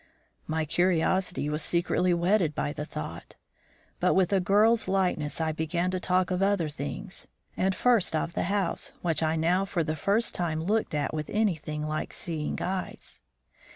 My curiosity was secretly whetted by the thought. But with a girl's lightness I began to talk of other things, and first of the house, which I now for the first time looked at with anything like seeing eyes.